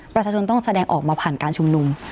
ประชาชนต้องแสดงออกมาผ่านการชุมนุม